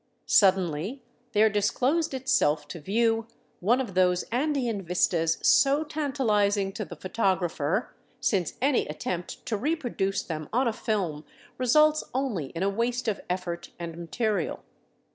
Suddenly there disclosed itself to view one of those Andean vistas so tantalizing to the photographer, since any attempt to reproduce them on a film results only in a waste of effort and material.